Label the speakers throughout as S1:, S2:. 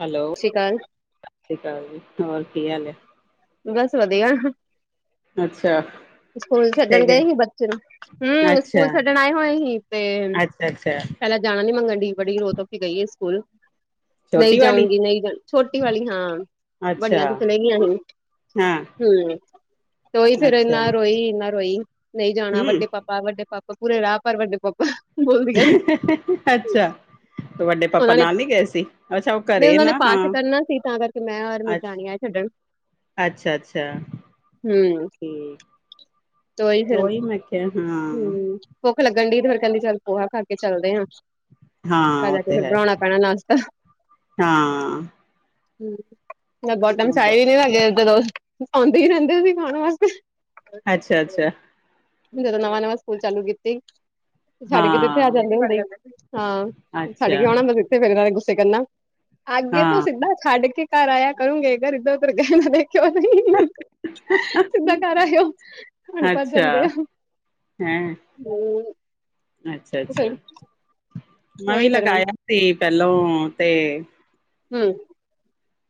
S1: Hello.
S2: ਸੀ ਕਾਲ।
S1: ਸਸ ਸ੍ਰੀ ਕਾਲ ਜੀ। ਹੋਰ ਕੀ ਹਾਲ ਐ?
S2: ਬਸ ਵਧੀਆ।
S1: ਇੱਛਾ
S2: ਇਸਕੂਲ ਛੱਡਨ ਗਏ ਹੀ ਬੱਚੇ ਨੂੰ। ਹੂੰ,
S1: ਅੱਛਾ,
S2: ਸਕੂਲ ਛੱਡਨ ਆਏ ਹੋਏ ਹੀ ਤੇ
S1: ਅੱਛਾ, ਅੱਛਾ
S2: ਪੈਲਾਂ ਜਾਨਾ ਨੀ ਮੰਗਨ ਡੀ। ਬੜੀ ਰੋ-ਧੋ ਕੇ ਗਈ ਏ ਸਕੂਲ। ਨਈ
S1: ਛੋਟੀ ਵਾਲੀ,
S2: ਜਾਉਂਗੀ, ਨਈ ਜ। ਛੋਟੀ ਵਾਲੀ। ਹਾਂ।
S1: ਅੱਛਾ,
S2: ਵੱਡੀਆਂ ਤੇ ਚਲੇ ਗਿਐਂ ਹੁਨ।
S1: ਹਾਂ,
S2: ਹੂੰ, ਓਈ ਫੇਰ
S1: ਅੱਛਾ।
S2: ਏਨਾਂ ਰੋਈ, ਏਨਾਂ ਰੋਈ ਨਈ ਜਾਣਾ
S1: ਹੂੰ,
S2: ਵੱਡੇ ਪਾ ਪਾ, ਵੱਡੇ ਪਾਪਾ ਪੂਰੇ ਰਾਅ ਪਰ ਵੱਡੇ ਪਾਪਾ ਬੋਲਦੀਆਂ ਸੀ
S1: ਅੱਛਾ, ਤ ਵੱਡੇ ਪਾਪਾ ਨਾਲ ਨੀ ਗਏ ਸੀ? ਅੱਛਾ, ਉਹ
S2: ਨਈ
S1: ਘਰੇ
S2: ਓਨਾਂ
S1: ਨਾ
S2: ਨੇ ਪਾਠ
S1: ਹਾਂ,
S2: ਤੇ ਕਰਨਾ ਸੀ ਤਾਂ ਕਰਕੇ ਮੈਂ ਔਰ ਮੇਰੀ ਜਰਾਨੀ ਆਏ ਛੱਡਨ
S1: ਅੱਛਾ-ਅੱਛਾ। ਹੂੰ।
S2: ਤੋਈ ਫੇਰ ਹੁਨ
S1: ਅੱਛਾ, ਹਾਂ।
S2: ਹੂੰ, ਭੁੱਖ ਲੱਗਨ ਡਈ ਤੇ ਫੇਰ ਕੈਂਦੀ ਚੱਲ ਪੋਹਾ ਖਾ ਕੇ ਚੱਲਦੇ ਆਂ।
S1: ਹਾਂ
S2: ਘਰ
S1: ਉਹ
S2: ਆ ਕੇ
S1: ਤੇ
S2: ਫੇਰ
S1: ਹੈ,
S2: ਬਨੌਣਾਂ ਪੈਣੈ ਨਾਸ਼ਤਾ।
S1: ਹਾਂ।
S2: ਹੂੰ, ਬੋ ਟਾਈਮ [unintelligible] ਨੀ ਲਗੇ ਜਦੋਂ ਔਂਦੇ ਈ ਰੈਂਦੇ ਸੀ ਖਾਨ ਵਾਸਤੇ।
S1: ਅੱਛਾ-ਅੱਛਾ।
S2: ਜਦੋਂ ਨਵਾਂ-ਨਵਾਂ ਸਕੂਲ ਚਾਲੂ ਕੀਤੀ, ਛੱਡ ਕੇ ਤੇ ਏੱਥੇ ਆ
S1: ਹਾਂ,
S2: ਜਾਂਦੇ ਸਾਡੇ ਘਰ, ਹਾਂ। ਛੱਡ
S1: ਅੱਛਾ,
S2: ਕੇ ਔਣਾ ਬਸ ਇੱਥੇ ਫੇਰ ਏਨਾਂ ਨੇ ਗੁੱਸੇ ਕਰਨਾ ਅੱਗੇ ਤੋਂ
S1: ਹਾਂ,
S2: ਸਿੱਧਾ ਛੱਡ ਕੇ ਘਰ ਆਇਆ ਕਰੂੰਗੇੇ। ਅਗਰ ਏੱਧਰ ਓਧਰ ਗਏ ਨਾ ਤੇ ਕਯੋ ਨਹੀਂ। ਸਿੱਧਾ ਘਰ ਆਏਓ। ਅਨ ਭੱਜ
S1: ਅੱਛਾ,
S2: ਜਾਂਦੇ ਆ।
S1: ਹੈਂ।
S2: [unintelligible]
S1: ਅੱਛਾ-ਅੱਛਾ ਮੈਂ ਵੀ
S2: ਉਹੀ ਫਿਰ ਹਮ
S1: ਲਗਾਇਐ ਤੀ ਪੇਲੋਂ ਤੇ
S2: ਹੂੰ।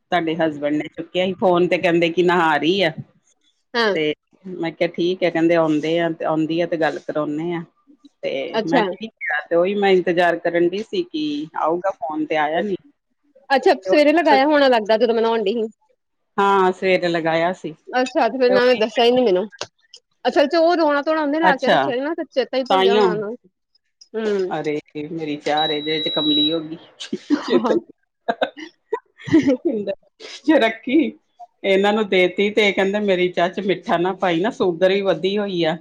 S1: ਤਾਡੇ ਹਸਬੈਂਡ ਨੇ ਚੁੱਕਿਆ ਹੀ ਫੋਨ ਤੇ ਕੈਂਦੇ ਕਿ ਨਹਾ ਰੀ ਆ।
S2: ਹਾਂ।
S1: ਤੇ ਮੈਂ ਕਿਆ ਠੀਕ ਐ ਕੈਂਦੇ ਔਂਦੇ ਆ ਤੇ, ਔਂਦੀ ਆ ਤੇ ਗੱਲ ਕਰੌਨੇਂ ਆ। ਤੇ ਮੈਂ
S2: ਅੱਛਾ
S1: ਕ ਈ ਯਾ ਤੇ ਉਹੀ ਮੈਂ ਇੰਤਜ਼ਾਰ ਕਰਨ ਡਈ ਸੀ ਕਿ ਆਊਗਾ ਫੋਨ ਤੇ ਆਇਆ ਨੀ
S2: ਅੱਛਾ ਸਵੇਰੇ
S1: ਤੇ
S2: ਲਗਾਇਆ ਹੋਣਾ ਲੱਗਦਾ ਜਦੋਂ ਮੈ ਨਾਉਣ ਡਈ ਹੀ
S1: ਹਾਂ ਸੇਕ ਲਗਾਇਆ ਸ
S2: ਅੱਛਾ ਤੇ ਫੇਰ ਉਨਾ ਨੇ ਦੱਸਿਆ ਹੀ ਨੀ ਮੈਨੂੰ ਅੱਛਾ ਤੇ ਉਹ ਰੋਣਕ ਥੋੜਾ ਉਹਨੇ ਲਾ ਕੇ
S1: ਅੱਛਾ
S2: ਰੱਖਿਆ ਸੀ ਨਾ ਤਾਂ ਚੇਤਾ ਹੀ ਭੁੱਲ ਗਿਆ
S1: ਤਾਂਹੀਓ
S2: ਉਹਨਾਂ ਨੂੰ
S1: ਅਰੇ ਫੇਰ ਮੇਰੀ ਚਾਹ ਰਹਿ ਜਾਏ ਤੇ ਕਮਲੀ ਹੋ ਗਈੇ
S2: ਹਮ
S1: ਚੇਤਾ [unintelligible] ਰੱਖੀ ਇਹਨਾਂ ਨੂੰ ਦੇਤੀ ਤੇ ਇਹ ਕਹਿੰਦੇ ਮੇਰੀ ਚਾਹ ਚ ਮਿੱਠਾ ਨਾ ਪਾਈ ਨਾ ਸੂਗਰ ਈ ਵਧੀ ਹੋਈ ਆ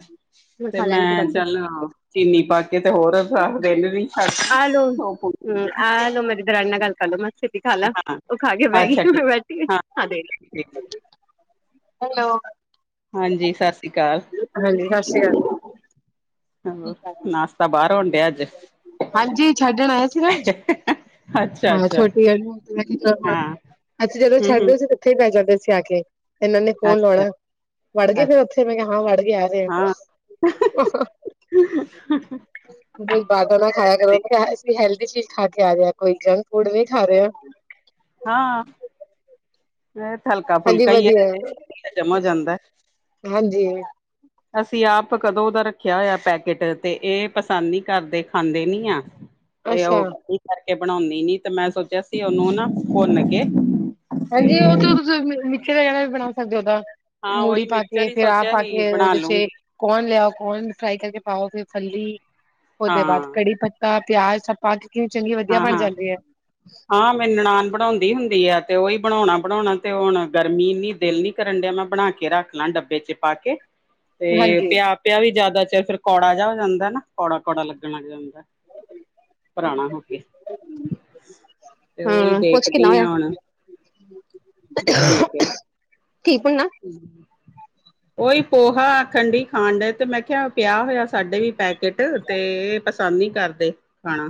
S1: ਤੇ
S2: ਖਾ ਲੈਣ ਤੋਂ
S1: ਮੈਂ
S2: ਬਾਕੀ
S1: ਚੱਲ ਚੀਨੀ ਪਾ ਕੇ ਤੇ ਹੋਰ ਦੇਰ ਰਿਨ ਰਈ
S2: ਆ ਲਓ ਹੂੰ ਆ ਲਓ ਮੇਰੀ ਦਰਾਣੀ ਨਾਲ ਗੱਲ ਕਰ ਲਓ ਛੇਤੀ ਖਾ ਲੈ ਉਹ ਖਾ ਕੇ ਬਹਿ
S1: ਅੱਛਾ
S2: ਗਈ
S1: ਠੀਕ
S2: ਮੈਂ ਬੈਠੀ
S1: ਹਾਂ
S2: ਹਾਲੇ
S1: ਠੀਕ
S2: ਵੀ ਹੈਲੋ
S1: ਹਾਂਜੀ ਸਤਿ ਸ਼੍ਰੀ ਅਕਾਲ
S2: ਹਾਂਜੀ ਸਤਿ ਸ੍ਰੀ ਅਕਾਲ ਜੀ
S1: ਹੋਰ
S2: ਠੀਕ ਆ ਜੀ
S1: ਨਾਸ਼ਤਾ ਬਾਹਰ ਹੋਣ ਡਿਆ ਅੱਜ
S2: ਹਾਂਜੀ ਛੱਡਣ ਆਏ ਸੀ ਨਾ ਤੁਸੀਂ
S1: ਅੱਛਾ
S2: ਹਾਂ
S1: ਅੱਛਾ
S2: ਛੋਟੀ ਵਾਲੀ ਨੂੰ
S1: ਹਾਂ
S2: ਅਸੀਂ ਜਦੋਂ
S1: ਹੂੰ ਹੂੰ
S2: ਛੱਡਦੇ ਸੀ ਉਥੇ ਬਹਿ ਜਾਂਦੇ ਸੀ ਆ ਕੇ ਇਹਨਾਂ ਨੇ ਫੋਨ
S1: ਅੱਛਾ
S2: ਲਉਣਾ ਵੜ ਗਏ ਫੇਰ
S1: ਅੱਛਾ
S2: ਉੱਥੇ ਮੈਂ ਕਿਹਾ ਹਾਂ ਵੜ ਗਏ ਆ ਰਹੇ
S1: ਹਾਂ
S2: ਆ [unintelligible]
S1: [unintelligible]
S2: ਰੋਜ ਬਾਰ ਦਾ ਨਾ ਖਾਇਆ ਕਰੋ ਮੈਂ ਕਿਹਾ ਅਸੀਂ ਹੈਲਦੀ ਚੀਜ਼ ਖਾ ਕੇ ਆ ਰਹੇ ਹਾਂ ਕੋਈ ਜੰਕ ਫੂਡ ਨੀ ਖਾ ਰਹੇ ਆ
S1: ਹਾਂ ਇਹ ਹਲਕਾ
S2: ਹਾਂਜੀ
S1: ਫੁਲਕਾ ਹੈ ਇਹ
S2: ਵਧੀਆ
S1: ਛੇਤੀ ਹਜਮ ਹੋ ਜਾਂਦਾ
S2: ਹਾਂਜੀ
S1: ਅਸੀਂ ਆਪ ਕਦੋਂ ਦਾ ਰੱਖਿਆ ਹੋਇਆ ਪੈਕੇਟ ਤੇ ਇਹ ਪਸੰਦ ਨੀ ਕਰਦੇ ਖਾਂਦੇ ਨੀ ਆ ਤੇ ਉਹ
S2: ਅੱਛਾ
S1: ਕੁਕਿੰਗ ਕਰਕੇ ਬਣਾਉਦੀ ਨੀ ਤੇ ਮੈਂ ਸੋਚਿਆ ਸੀ ਉਹਨੂੰ ਨਾ ਭੁੰਨ ਕੇ
S2: ਹਾਂਜੀ ਉਹ ਤੇ ਤੁਸੀਂ ਮਚੇ ਦਾ ਜ [inaudible] [unintelligible]
S1: ਹਾਂ
S2: ਮੂੜੀ
S1: ਉਹੀ
S2: ਪਾ ਕੇ
S1: ਮਿਕਚਰ ਹੀ
S2: ਫੇਰ ਆ
S1: ਸੋਚਿਆ
S2: ਪਾ
S1: ਹੀ
S2: ਕੇ
S1: ਬਣਾ
S2: ਉਹਦੇ ਚ
S1: ਲੂੰਗੀ
S2: ਕੋਨ ਲਿਆਓ ਕੋਨ ਫਰਾਈ ਕਰਕੇ ਪਾਓ ਫਿਰ ਥੱਲੀ
S1: ਹਾਂ
S2: ਉਹਦੇ ਬਾਅਦ ਕੜੀ ਪ ਪਿਆਜ਼ ਸ ਪਾ ਕੇ ਕਿਵੇਂ ਚੰਗੀ ਵਧੀਆ
S1: ਹਾਂ
S2: ਬਣ
S1: ਹਾਂ
S2: ਜਾਂਦੀ ਹੈ
S1: ਹਾਂ ਮੇਰੀ ਨਨਾਣ ਬਣਾਉਂਦੀ ਹੁੰਦੀ ਆ ਤੇ ਉਹੀ ਬਣਾਉਣਾ ਬਣਾਉਣਾ ਤੇ ਹੁਣ ਗਰਮੀ ਇਨੀ ਤੇ ਦਿਲ ਨੀ। ਕਰਨ ਡਿਆ ਮੈਂ ਬਣਾ ਕੇ ਰੱਖ ਲਾਂ ਡੱਬੇ ਚ ਪਾ ਕੇ। ਤੇ
S2: ਹਾਂਜੀ।
S1: ਪਿਆ ਪਿਆ ਵੀ ਜਿਆਦਾ ਚਿਰ ਫਿਰ ਕੌੜਾ ਜਿਹਾ ਹੋ ਜਾਂਦਾ ਨਾ ਕੌੜਾ ਕੌੜਾ ਲੱਗਣ ਲੱਗ ਜਾਂਦਾ। ਪੁਰਾਣਾ ਹੋ ਕੇ ਤੇ ਉਹੀ
S2: ਹਾਂ ਪੁੱਛ ਕੇ ਨਾ
S1: ਦੇਖਦੀ ਆ
S2: ਹੋਇਆ
S1: ਹੁਣ। ਭੁੰਨ ਕੇ।
S2: ਠੀਕ ਹੋ ਨਾ।
S1: ਉਹੀ ਪੋਹਾ ਠੰਡੀ ਖਾਣ ਡਏ ਤੇ ਮੈਂ ਕਿਹਾ। ਪਿਆ ਹੋਇਆ ਸਾਡੇ ਵੀ ਪੈਕੇਟ ਤੇ ਇਹ ਪਸੰਦ ਨੀ ਕਰਦੇ ਖਾਣਾ।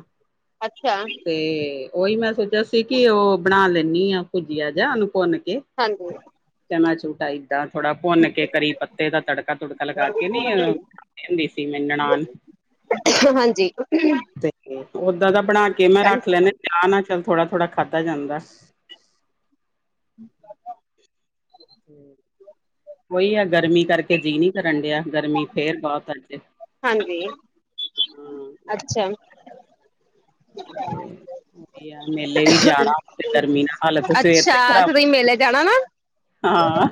S2: ਅੱਛਾ।
S1: ਤੇ ਉਹੀ ਮੈਂ ਸੋਚਿਆ ਸੀ। ਕਿ ਉਹ ਬਣਾ ਲੈਂਦੀ ਆ ਭੁੱਜੀਆ ਜਿਹਾ ਉਹਨੂੰ ਭੁੰਨ ਕੇ ਤੇ
S2: ਹਾਂਜੀ।
S1: ਚਮਚ ਟਾਈਪ ਦਾ ਥੋੜ੍ਹਾ ਭੁੰਨ ਕੇ ਕਰੀ ਪੱਤੇ ਦਾ ਤੜਕਾ ਤੜਕਾ ਲਗਾ ਕੇ ਨੀ। ਕਹਿੰਦੇ ਸੀ ਮੇਰੀ ਨਨਾਣ।
S2: ਹਾਂਜੀ।
S1: ਤੇ ਓਦਾਂ ਦਾ ਬਣਾ ਕੇ ਮੈਂ
S2: ਚਾਲੀਸ
S1: ਰੱਖ ਲੈੇਨੀ ਚਾਹ ਨਾਲ ਚੱਲ ਥੋੜਾ ਥੋੜਾ ਖਾਧਾ ਜਾਂਦਾ।
S2: ਹ। [unintelligible]
S1: ਹਮ ਉਹੀ ਆ ਗਰਮੀ ਕਰਕੇ ਜੀਅ ਨਹੀਂ ਕਰਨ ਡਿਆ ਗਰਮੀ ਫਿਰ ਬਹੁਤ ਅਜ।
S2: ਹਾਂਜੀ ਅੱਛਾ।
S1: ਹਮ ਅੱਛਾ ਤੀਆਂ ਮੇਲੇ ਵੀ ਜਾਣਾ ਉੱਥੇ ਗਰਮੀ ਨਾਲ ਹਾਲਤ ਸਵੇਰ
S2: ਅੱਛਾ
S1: ਤੋਂ ਹੀ ਖਰਾਬ।
S2: ਤੇ ਤੁਸੀਂ ਮੇਲੇ ਜਾਣਾ ਨਾ
S1: ਹਾਂ ਆ।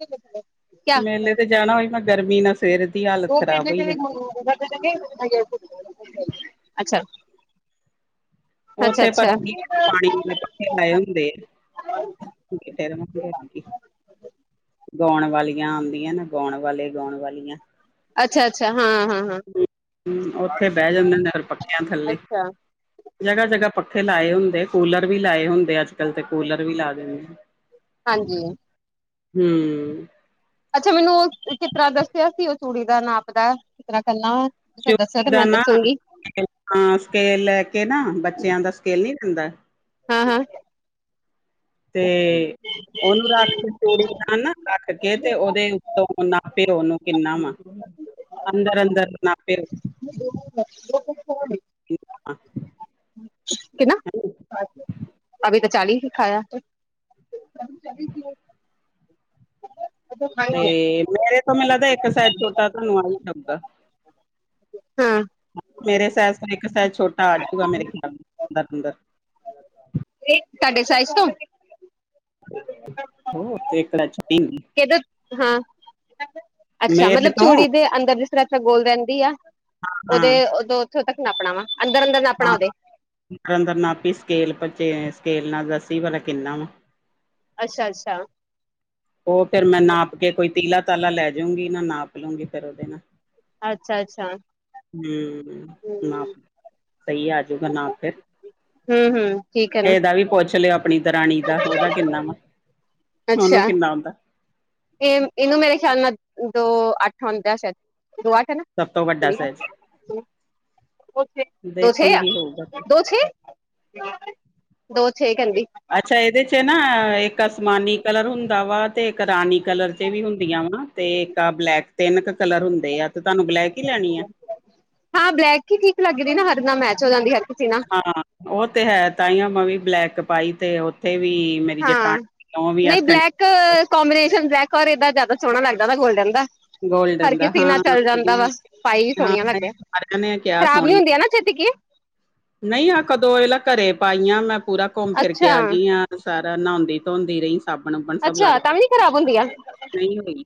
S2: ਕਿਆ
S1: ਮੇਲੇ ਤੇ ਜਾਣਾ ਹੋਈ ਗਰਮੀ ਨਾਲ ਸਵੇਰ ਦੀ ਹਾਲਤ
S2: ਦੋ
S1: ਖ਼ਰਾਬ
S2: ਪੇਡੇ
S1: ਹੋਈ
S2: ਕੇ
S1: ਜਾਂਦੀ।
S2: [unintelligible] ਅੱਛਾ। ਅੱਛਾ
S1: ਉੱਥੇ ਪਰ
S2: -ਅੱਛਾ।
S1: ਪਾਣੀ ਦੇ ਕਿਉਂਕਿ ਤੇਰੇ ਮ ਨਾ ਅਟਕੀ ਗਾਉਣ ਵਾਲੀਆਂ ਆਂਦੀਆਂ ਨਾ ਗਾਉਣ ਵਾਲੇ ਗਾਉਣ ਵਾਲੀਆਂ।
S2: ਅੱਛਾ- ਅੱਛਾ ਹਾਂ- ਹਾਂ -ਹਾਂ।
S1: ਹਮ ਉੱਥੇ ਬਹਿ ਜਾਂਦੇ ਹੁੰਦੇ ਪੱਕਿਆ ਥੱਲੇ।
S2: ਅੱਛਾ
S1: ਜਗ੍ਹਾ- ਜਗ੍ਹਾ ਪੱਖੇ ਲਾਏ ਹੁੰਦੇ ਕੂਲਰ ਵੀ ਲਾਏ ਹੁੰਦੇ ਅੱਜ -ਕੱਲ ਤੇ ਕੂਲਰ ਵੀ ਲਾ ਦਿੰਦੇ।
S2: ਹਾਂਜੀ।
S1: ਹਮ।
S2: ਅੱਛਾ ਮੈਨੂੰ ਉਹ ਕਿਸ ਤਰ੍ਹਾਂ ਦੱਸਿਆ ਸੀ ਉਹ ਚੂੜੀ ਦਾ ਨਾਪ ਦਾ ਕਿਸ ਤਰ੍ਹਾਂ ਕਰਨਾ ਵ। ਤੁਸੀ ਦੱਸਿਆ ਤੇ
S1: ਚੋਟੀ ਦਾ
S2: ਮੈਂ
S1: ਨਾ
S2: ਦੱਸੂੰਗੀ।
S1: ਹਾਂ ਸਕੇਲ ਲੈ ਕੇ ਨਾ ਬੱਚਿਆਂ ਦਾ ਸਕੇਲ ਨੀ ਹੁੰਦਾ।
S2: ਹਾਂ- ਹਾਂ।
S1: ਤੇ ਉਹਨੂੰ ਰੱਖ ਕੇ ਚੂੜੀ ਨਾਲ ਰੱਖ ਕੇ ਤੇ ਉਹਦੇ। ਨੂੰ ਨਾਪੇ ਓਹਨੂੰ ਕਿੰਨਾ ਵਾ ਅੰਦਰ- ਅੰਦਰ ਨਾਪੇ।
S2: ਦੋ ਕ ਦੋ ਕੁਹਾੜੀ
S1: ਚੁਪ ਕਰ
S2: ਕਿਨਾ
S1: ਹ।
S2: ਅਭੀ ਤਾਂ ਚਾਲੀ ਸਿਖਾਇਆ ਜਹਾਂ ਪਰ ਚਵੀ ਕਰੋੜ
S1: ਤੇ ਮੇਰੇ ਤੋਂ ਮੈਨੂੰ ਲੱਗਦਾ ਇੱਕ ਸਾਈਜ਼ ਛੋਟਾ ਤੁਹਾਨੂੰ ਆਈ ਆਂਦਾ।
S2: ਤੁਹਾਡੇ
S1: ਮੇਰੇ ਸੈਰ ਇੱਕ ਸੈਰ ਛੋਟਾ ਆਜੂਗਾ ਮੇਰੇ ਖਿਆਲ ਅੰਦਰ ਅੰਦਰ।
S2: ਤਾਡੇ ਸਾਈਜ਼ ਤੋਂ।
S1: ਹੋ ਤੇ ਕੜਚ ਪੀ।
S2: ਕਿਦੇ, ਹਾਂ ਅੱਛਾ
S1: ਮੇਰੇ
S2: ਮਤਲਬ
S1: ਤੋਂ
S2: ਚੂੜੀ ਦੇ ਅੰਦਰ ਜਿਸ ਤਰ੍ਹਾਂ ਤਰਾਂ ਗੋਲ ਰਹਿੰਦੀ ਆ।
S1: ਹਾਂ
S2: ਉਹਦੇ ਉਦੋਂ ਉੱਥੋਂ ਤੱਕ ਨਾਪਣਾ ਵਾ ਅੰਦਰ ਅੰਦਰ ਨਾਪਣਾ
S1: ਹਾਂ
S2: ਉਹਦੇ।
S1: ਅੰਦਰ ਨਾਪੀ ਸਕੇਲ ਪਰਚ ਸਕੇਲ ਨਾਲ ਦਸੀ ਭਲਾ ਕਿੰਨਾ ਵਾ।
S2: ਅੱਛਾ ਅੱਛਾ।
S1: ਉਹ ਫੇਰ ਮੈਂ ਨਾਪ ਕੇ ਕੋਈ ਤੀਲਾ ਤਾਲਾ ਲੈ ਜਾਊਂਗੀ ਨਾ ਨਾਪ ਲਊਗੀ ਫਿਰ ਉਹਦੇ ਨਾਲ।
S2: ਅੱਛਾ-ਅੱਛਾ,
S1: ਹਮ ਨਾਪ ਸਹੀ ਆਜੂਗਾ ਨਾਪ ਤੇ
S2: ਹੂੰ, ਹੂੰ।
S1: ਇਹਦਾ ਵੀ ਪੁੱਛ ਲਿਓ ਆਪਣੀ ਦਰਾਣੀ ਦਾ, ਉਹਦਾ ਕਿੰਨਾ ਵਾ,
S2: ਅੱਛਾ।
S1: ਉਹਨੂੰ ਕਿੰਨਾ ਆਂਦਾ।
S2: ਇਹ ਇਹਨੂੰ ਮੇਰੇ ਖਿਆਲ ਨਾਲ ਦੋ ਅੱਠ ਆਉਂਦਾ ਸ਼ਾਇਦ ਦੋ ਅੱਠ ਨਾ।
S1: ਸਭ ਤੋਂ ਵੱਡਾ
S2: ਕੁੜੀ
S1: ਸਾਈਜ਼
S2: ਨਾਲ ਦੋ ਦੋ ਛੇ, ਦੋ ਛੇ
S1: ਦੇਖੂਗੀ ਹੋਊਗਾ ਤੇ
S2: ਦੋ ਛੇ ਦੋ ਛੇ ਕਹਿੰਦੀ।
S1: ਅੱਛਾ ਇਹਦੇ 'ਚ ਨਾ ਇੱਕ ਅਸਮਾਨੀ ਕਲਰ ਹੁੰਦਾ ਵਾ ਤੇ ਇੱਕ ਰਾਣੀ ਕਲਰ 'ਚ ਵੀ ਹੁੰਦੀਆਂ ਵਾ ਤੇ ਇੱਕ ਬਲੈਕ ਤਿੰਨ ਕ ਕਲਰ ਹੁੰਦੇ ਆ ਤੇ ਤੁਹਾਨੂੰ ਬਲੈਕ ਹੀ ਲੈਣੀਆ।
S2: ਹਾਂ ਬਲੈਕ ਹੀ ਠੀਕ ਲਗਦੀ ਨਾ ਹਰ ਨਾਲ ਮੈਚ ਹੋ ਜਾਂਦੀ ਹਰ ਕਿਸੀ ਨਾਲ।
S1: ਹਾਂ ਓ ਤੇ ਹੈ ਤਾਂਈਂਓ ਮੈਂ ਵੀ ਬਲੈਕ ਪਾਈ ਤੇ ਓਥੇ ਵੀ ਮੇਰੀ
S2: ਹਾਂ
S1: ਜੇਠਾਣੀ ਉਹ ਵੀ
S2: ਨਈ
S1: ਆਖਣ
S2: ਬਲੈਕ ਕਬੀਨੇਸ਼ਨ ਬਲੈਕ ਔਰ ਏਦਾਂ ਜਾਦਾ ਸੋਣਾ ਲੱਗਦਾ ਵਾ ਗੋਲਡਨ ਦਾ ਹਰ
S1: ਗੋਲਡਨ ਦਾ
S2: ਕਿਸੀ
S1: ਹਾਂ
S2: ਨਾਲ ਚੱਲ ਜਾਂਦਾ ਵਾ, ਪਾਈ ਵੀ
S1: ਹਾਂ
S2: ਸੋਣੀਆਂ ਲੱਗਦੀਆ।
S1: ਸਾਰਿਆਂ ਨੇ ਕਿਹਾ
S2: ਖ਼ਰਾਬ ਨੀ ਹੁੰਦੀਆਂ ਨਾ ਛੇਤੀ ਕੇ।
S1: ਨਈ ਆ ਕਦੋਂ ਏਲਾ ਘਰੇ ਪਾਈਆਂ ਮੈਂ ਪੂਰਾ ਘੁੰਮ ਫਿਰ ਕੇ
S2: ਅੱਛਾ
S1: ਆ ਗਈ ਆਂ। ਸਾਰਾ ਨਉਂਦੀ ਧੋਂਦੀ ਰ‌ਈਂ, ਸਾਬਣ ਉਬਣ ਸਭ
S2: ਅੱਛਾ ਤਾਂ ਵੀ ਨੀ
S1: ਲੱਗਦਾ‌।
S2: ਖ਼ਰਾਬ ਹੁੰਦੀਆਂ
S1: ਨਈ ਹੋਈ-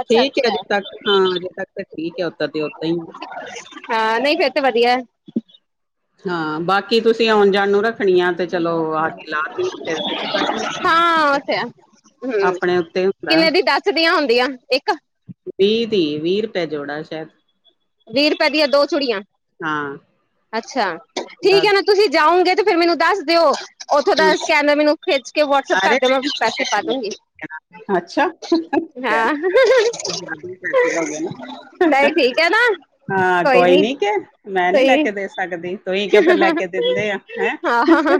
S2: ਅੱਛਾ
S1: ਠੀਕ ਏ
S2: ਅੱਛਾ
S1: ਅਜੇ ਤੱਕ ਹਾਂ ਅਜੇ ਤੱਕ ਤੇ ਠੀਕ ਐ ਓਦਾ ਦੀ ਓਦਾ ਅਈਂ ਏ।
S2: ਹਾਂ ਨਈ ਫੇਰ ਤੇ ਵਧੀਆ।
S1: ਹਾਂ ਬਾਕੀ ਤੁਸੀਂ ਆਉਣ ਜਾਣ ਨੂੰ ਰੱਖ
S2: [unintelligible]
S1: ਤੇ
S2: ਹਾਂ ਓ ਤੇ ਹੈ। ਹੂੰ
S1: ਆਪਣੇ ਉੱਤੇ ਹੁੰਦਾ
S2: ਕਿੰਨੇ ਦੀ ਦੱਸ ਦੀਆਂ ਹੁੰਦੀਆਂ, ਇੱਕ।
S1: ਵੀਅ ਦੀ ਵੀਅ ਰੁਪਏ ਜੋੜਾ ਸੈ਼ਦ।
S2: ਵੀਅ ਰਪਏ ਦੀਆਂ ਦੋ ਚੂੜੀਆਂ।
S1: ਹਾਂ।
S2: ਅੱਛਾ ਠੀਕ
S1: ਦੱਸ
S2: ਐ ਨਾ ਤੁਸੀਂ ਜਾਓਗੇ ਤੇ ਫੇਰ ਮੈਨੂੰ ਦੱਸ ਦਿਓ। ਓਥੋਂ ਦਾ
S1: ਹਮ,
S2: ਸਕੈਨਰ ਮੈਨੂੰ ਖਿੱਚ ਕੇ ਵਟਸਐਪ
S1: ਅਰੇ
S2: ਕਰ ਦਿਓ, ਮੈਂ
S1: ਨਹੀਂ
S2: ਪੈਸੇ ਪਾ ਦੂੰਗੀ।
S1: ਅੱਛਾ ਕਹਿ-
S2: ਹਾਂ। ਹਾਹਾਹਾ
S1: ਜ਼ਿਆਦਾ ਹੀ ਪੈਸੇ ਹੋ ਗਏ ਨਾ
S2: ਨਈ ਠੀਕ ਏ ਨਾ।
S1: ਹਾਂ ਕੋਈ ਨੀ ਕਿ ਮੈਂ ਨੀ ਲੈ
S2: ਤੁਹੀ
S1: ਕੇ ਦੇ ਸਕਦੀ। ਤੁਈਂ ਕਿਉਂ ਫੇਰ ਲੈ ਕੇ ਦਿੰਦੇ ਆਂ ਹੈਂ।
S2: ਹਾਂ ਹਾਂ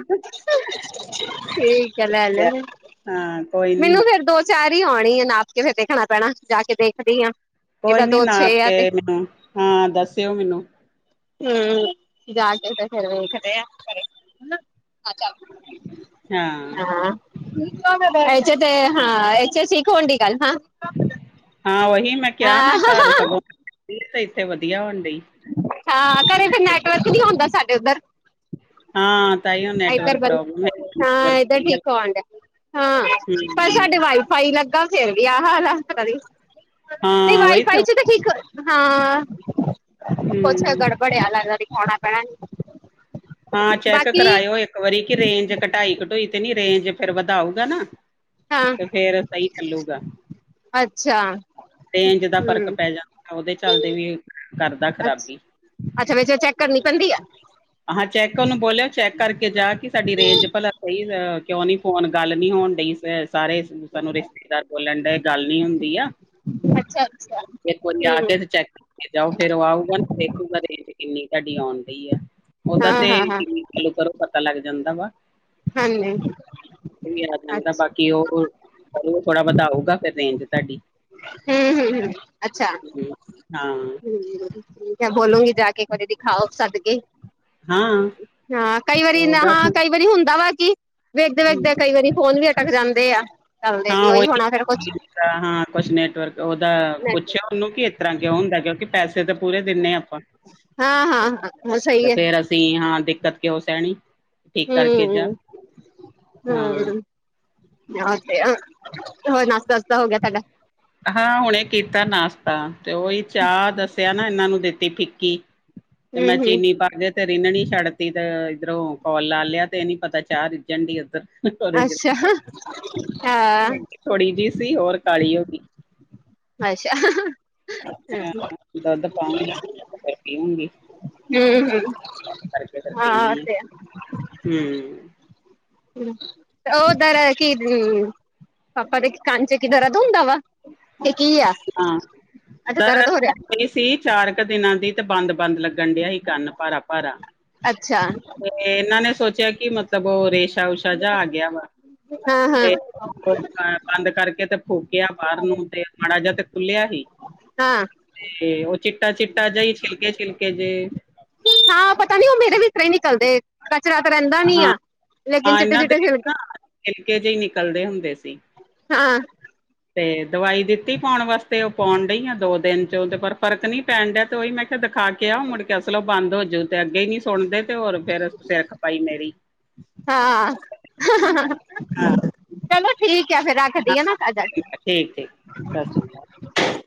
S2: ਠੀਕ ਏ ਲੈ ਲੋ ਫਿਰ।
S1: ਹਾਂ। ਕੋਈ ਨੀ
S2: ਮਿਨੂੰ
S1: ਮੈਂ
S2: ਫੇਰ ਦੋ ਚਾਰ ਈ ਆਉਣੀ ਆਂ, ਨਾਪ ਕੇ ਫੇਰ ਦੇਖਣਾ ਪੈਣਾ ਜਾ ਕੇ ਦੇਖਦੀ ਆਂ।
S1: ਕੋਈ ਨੀ ਨਾਪ ਕੇ ਮਿਨੂੰ ਹਾਂ ਦੱਸਿਓ ਮਿਨੂੰ।
S2: ਊਂ ਜਾ ਕੇ ਤੇ ਫੇਰ ਵੇਖਦੇ ਆਂ ਘਰੇ। ਹਾਂ - ਠੀਕ ਆ ਫੇਰ। ਪੈਹੇ 'ਚ ਤੇ ਹਾਂ [unintelligible] ਸ਼ਖੋਣਡੀ ਗੱਲ ਹਾਂ।
S1: ਹਾਂ ਓਹੀ ਮੈਂ ਕਿਆ ਨਾ ਘਾਰ ਸਗੋਂ ਬੀ ਤੇ ਏਥੇ ਵਧੀਆ ਹੋਣ ਡਈ।
S2: ਹਾਂ ਘਰੇ ਫੇਰ ਨੈਟਵਰਕ ਨੀ ਹੁੰਦਾ ਸਾਡੇ ਓਧਰ।
S1: ਹਾਂ। ਤਾਈਓ
S2: ਏਧਰ
S1: ਨੈਟਵਰਕ
S2: ਬੰ
S1: ਪ੍ਰੋਬਲਮ ਹੈ
S2: ਹਾਂ
S1: ਨੈਟਵਰਕ
S2: ਏਧਰ
S1: ਸਹੀ ਆ
S2: ਠੀਕ ਓਣ ਡਿਆ‌। ਹਾਂ- ਪਰ ਸਾਡੇ
S1: ਹੂੰ
S2: ਵਾਈਫ ਫਾਈ ਲੱਗਾ ਫੇਰ ਵੀ ਆਹ ਅਲ ਆ ਪਤਾ ਨੀ। ਨ‌ਈ
S1: ਹਾਂ ਉਹੀ ਤਾਂ
S2: ਵਾਈਫਾਈ 'ਚ ਤੇ ਠੀਕ ਹਾਂ- ਕੁਛ
S1: ਹੂੰ
S2: ਗੜਬੜ ਆ ਲਗਦਾ ਦਿਖੋਣਾ ਪੈਣਾ ਏਨੂੰ।
S1: ਹਾਂ ਚੈੱਕ ਕਰਾਇਓ ਇੱਕ ਵਰੀ, ਕਿ ਰੇਂਜ ਕਟਾਈ ਕਟੁਈ ਤੇ ਨੀ। ਰੇਂਜ ਫੇਰ ਵਧਾਉਗਾ ਨਾ
S2: ਹਾਂ
S1: ਤੇ ਫੇਰ ਸ‌ਈ ਚੱਲੂਗਾ।
S2: ਚਾ
S1: ਰੇਂਜ ਦਾ ਫ਼ਰਕ ਪੈ ਜਾਂਦਾ, ਓਦੇ ਚਲਦੇ ਵੀ ਕਰਦਾ
S2: ਅੱਛਾ
S1: ਖ਼ਰਾਬੀ।
S2: ਅੱਛਾ ਵਿੱਚ ਓ ਚੈੱਕ ਕਰਨੀ ਪੈਂਦੀ ਆ।
S1: ਹਾਂ ਚੈੱਕ ਓਨੂੰ ਬੋਲਿਆ। ਚੈੱਕ ਕਰਕੇ ਜਾ ਕੀ ਸਾਡੀ ਰੇਂਜ ਭਲਾ ਸ‌ਈ, ਵ ਕਿਉਂ ਨੀ ਫੋਨ ਗੱਲ ਨੀ ਹੋਣ ਡਈ। ਸਾਰੇ ਸਾਨੂੰ ਰਿਸ ਦਾਰ ਬੋਲਣ ਡਏ ਗੱਲ ਨੀ ਹੁੰਦੀ ਆ।
S2: ਅੱਛਾ। ਅੱਛਾ
S1: ਏਕ ਵਾਰੀ ਆ ਕੇ
S2: ਹਮ
S1: ਤੇ ਚੈੱਕ ਕਰਕੇ ਜਾਓ। ਫੇਰ ਓ ਆਊਗਾ ਨਾ, ਦੇਖੂਗਾ ਰੇਂਜ ਕਿੰਨੀ ਤਾਡੀ ਔਣ ਡਈ ਆ। ਓਦਾ
S2: ਹਾਂ
S1: ਤੇ
S2: ਹਾਂ ਹਾਂ
S1: ਕਿੰਨੀ ਚਾਲੂ ਕਰੋ ਪਤਾ ਲੱਗ ਜਾਂਦਾ ਵਾ।
S2: ਹਾਂਜੀ।
S1: ਵੀ ਆ ਜਾਂਦਾ
S2: ਅੱਛਾ
S1: ਬਾਕੀ ਓਹ ਕਲ ਨੂੰ ਥੋੜਾ ਬੋਹਤਾ ਆਊਗਾ, ਫਿਰ ਰੇਂਜ ਤਾਡੀ।
S2: ਹੂੰ, ਹੂੰ, ਹੂੰ, ਅੱਛਾ, ਹੂੰ।
S1: ਹਾਂ
S2: ਠੀਕ ਹੈ ਬੋਲੂਗੀ ਜਾ ਕੇ ਇੱਕ ਵਾਰੀ ਦਿਖਾਓ ਸੱਦ ਕੇ।
S1: ਹਾਂ।
S2: ਹਾਂ, ਕਈ ਵਾਰੀ
S1: ਉਹਦਾ
S2: ਨਹਾਂ
S1: ਤਾਂ
S2: ਕਈ ਵਾਰੀ ਹੁੰਦਾ ਵਾ ਕੀ
S1: ਹੂੰ
S2: ਵੇਖਦੇ-ਵੇਖਦੇ ਕਈ ਵਾਰੀ ਫੋਨ ਵੀ ਅਟਕ ਜਾਂਦੇ ਆ। ਚੱਲਦੇ
S1: ਹਾਂ,
S2: ਨੀ
S1: ਓਹੀ
S2: ਉਹੀ ਹੋਣਾ ਫੇਰ ਕੁਛ
S1: ਠੀਕ ਆਂ ਹਾਂ, ਕੁਛ ਨੈਟਵਰਕ ਓਦਾ
S2: ਨੈਟਵਰਕ
S1: ਪੁੱਛਓ ਉਨੂੰ ਕੀ ਇਤਰ੍ਹਾਂ ਕਿਉਂ ਹੁੰਦੈ ਕਿਉਂਕਿ ਪੈਸੇ ਤਾਂ ਪੂਰੇ ਦਿਣੇ ਆ ਅਪਾਂ,
S2: ਹਾਂ ਹਾਂ
S1: ਤੇ
S2: ਸਹੀ ਹੈ
S1: ਫੇਰ ਅਸ ਸੀਂ ਹਾਂ, ਦਿੱਕਤ ਕਿਓਂ ਸੈਹਣੀ? ਠੀਕ ਕਰਕੇ ਜਾ।
S2: ਹੂੰ
S1: ਹਾਂ।
S2: ਔ ਤੇ ਆ, ਹੋਰ ਨਾਸਤਾ-ਵਾਸਤਾ ਹੋ ਗਿਆ ਤੁਹਾਡਾ?
S1: ਹਾਂ, ਹੁਣੇ ਕੀਤਾਂ ਨਾਸ਼ਤਾ ਤੇ ਓਹੀ ਚਾਹ ਦੱਸਿਆ ਨਾ ਇਨਾਂ ਨੂੰ ਦਿੱਤੀ ਫਿੱਕੀ ਤੇ
S2: ਹੂੰ
S1: ਮੈਂ
S2: ਹੂੰ
S1: ਚੀਨੀ ਪਾ ਕੇ ਤੇ ਰਿਨਣੀ ਛੱਡ ਤੀ, ਤੇ ਇੱਧਰੋਂ ਕੋਲ ਲਾ ਲਿਆ ਤੇ ਏਹ ਨੀ ਪਤਾ ਚਾਹ ਰਿੱਜਣ ਡੀ ਓਧਰ।
S2: ਅੱਛਾ। ਹਾਂ
S1: ਔ ਥੋੜ੍ਹੀ ਜੀ ਸੀ ਹੋਰ ਕਾਲੀ ਹੋ ਗੀ।
S2: ਅੱਛਾ। ਹੂੰ
S1: ਹਾਂ ਦੁੱਧ ਪਾਉਂਗੀ ਫੇਰ ਪੀਊਂਗੀ।
S2: ਹੂੰ
S1: ਕੰਮ ਕਰਕੇ ਫਿਰ
S2: ਹਾਂ
S1: ਪੀਨੇ
S2: ਤੇ
S1: ਆਂ, ਹੂੰ।
S2: ਹੂੰ, ਤੇ ਓਧਰ ਕੀ ਪੁ ਪਾਪਾ ਦੇ ਇਕ ਕੰਨ ਚ ਕੀ ਦਰਦ ਹੁੰਦਾ ਵਾ, ਤੇ ਕੀ ਆ?
S1: ਹਾਂ,
S2: ਅੱਛਾ ਹੋ ਰਿਹਾ
S1: ਦਰਦ ਸੀ ਚਾਰ ਕ ਦਿਨਾਂ ਦੀ ਤੇ ਬੰਦ-ਬੰਦ ਲੱਗ ਰਡਿੰਆ ਹੀ ਕਾਨ ਭਾਰਾ-ਭਾਰਾ।
S2: ਅੱਛਾ
S1: ਤੇ ਏਨਾਂ ਨੇ ਸੋਚਿਆ ਕਿ ਮਤਲਬ ਓਹ ਰੇਸ਼ ਛਾ ਉਸ਼ਾ ਜਾ ਆ ਗਿਆ ਵਾ
S2: ਹਾਂ ਹਾਂ
S1: ਤੇ ਅ ਬੰਦ ਕਰਕੇ ਤੇ ਫੂਕਿਆ ਬਾਰ ਨੂੰ ਤੇ ਮਾੜਾ ਜਾ ਤੇ ਖੁੱਲਿਆ ਹੀ।
S2: ਹਾਂ।
S1: ਤੇ ਓਹ ਚਿੱਟਾ-ਚਿੱਟਾ ਜਈ ਛਿਲਕੇ-ਛਿਲਕੇ ਜੇ
S2: ਹਾਂ, ਪਤਾ ਨੀ ਓਹ ਮੇਰੇ ਵੀ ਇਸ ਤਰ੍ਹਾਂ ਈ ਨਿਕਲਦੇ। ਕਚਰਾ ਤਾਂ ਰੈੰਦਾ ਨੀ
S1: ਹਾਂ
S2: ਆ, ਲੇਕਿਨ
S1: ਹਾਂ ਇਹਨਾਂ ਦੇ
S2: ਚਿੱਟੇ-ਚਿੱਟੇ ਛਿਲਕੇ
S1: ਨਾ ਛਿਲਕੇ ਜੇ ਈ ਨਿਕਲਦੇ ਹੁੰਦੇ ਸੀ।
S2: ਹਾਂ।
S1: ਤੇ ਦਵਾਈ ਦਿੱਤੀ ਪੋਣ ਵਾਸਤੇ। ਓਹ ਪੋਣ ਡਈ ਆ ਦੋ ਦਿਨ ਚੋਂ ਤੇ ਪਰ ਫਰਕ ਨੀ ਪੈਣ ਡਿਆ ਤੇ ਓਹੀ ਮੈਂ ਕੈ ਦਿਖਾ ਕੇ ਆਓ, ਮੁੜ ਕੇ ਅਸਲੋ ਬੰਦ ਹੋਜੂ ਤੇ ਅੱਗੇ ਨੀ ਸੁਣਦੇ ਤੇ ਹੋਰ ਫੇਰ ਸੇਰਖਪਾਈ ਮੇਰੀ।
S2: ਹਾਂ,
S1: ਹਾਂ
S2: ਚਲੋ ਠੀਕ ਹੈ, ਫੇਰ ਰੱਖਦੀ ਆ ਨਾ ਘਰ ਜਾ ਕੇ
S1: ਠੀਕ-ਠੀਕ। ਸਾ ਸੀ